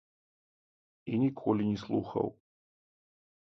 І ніколі не слухаў.